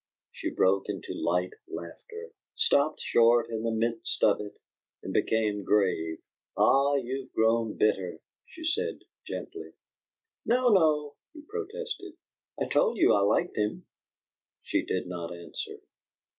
'" She broke into light laughter, stopped short in the midst of it, and became grave. "Ah, you've grown bitter," she said, gently. "No, no," he protested. "I told you I liked him." She did not answer.